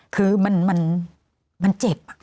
คือมันเจ็บ